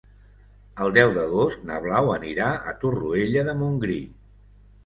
El deu d'agost na Blau anirà a Torroella de Montgrí.